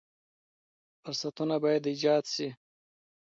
فرصتونه باید ایجاد شي.